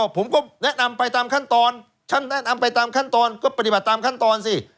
ผมก็แนะนำไปตามขั้นตอนท่านแนะนำไปตามขั้นตอนก็ปฏิบัติตามขั้นตอนสิ